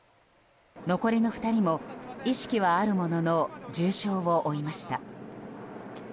残りの２人も意識はあるものの重傷を負いました。